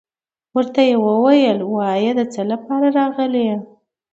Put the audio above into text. ورته يې ويل وايه دڅه لپاره راغلى يي.